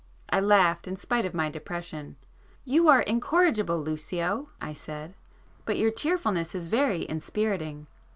I laughed in spite of my depression. "You are incorrigible, Lucio!" I said—"But your cheerfulness is very inspiriting.